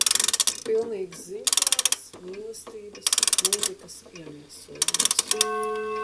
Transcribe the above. Pilnīgs ziņkāres, mīlestības, mūzikas iemiesojums.